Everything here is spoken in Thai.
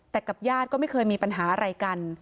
แต่กับญาติก็ไม่เคยมีปัญหาอะไรกัน